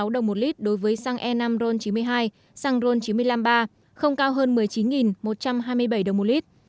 một mươi tám ba trăm bốn mươi sáu đồng một lít đối với xăng e năm ron chín mươi hai xăng ron chín mươi năm ba không cao hơn một mươi chín một trăm hai mươi bảy đồng một lít